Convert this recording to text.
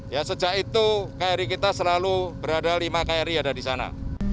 ya sejak itu kri kita selalu berada lima kri ada di sana